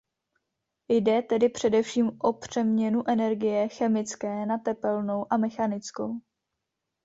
Jde tedy především o přeměnu energie chemické na tepelnou a mechanickou.